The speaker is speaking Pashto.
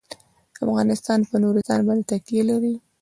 افغانستان په نورستان باندې تکیه لري.